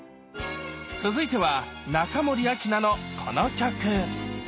続いては中森明菜のこの曲！